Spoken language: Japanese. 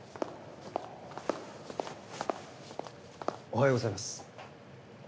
おはようございます。